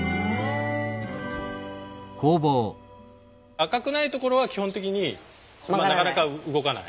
赤くないところは基本的になかなか動かない。